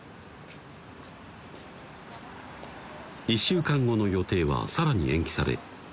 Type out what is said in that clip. １週間後の予定は更に延期され